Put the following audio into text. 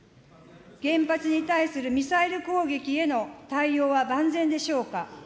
原発に対するミサイル攻撃への対応は万全でしょうか。